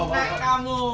nah ketakutannya kamu